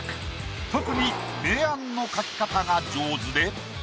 特に明暗の描き方が上手で。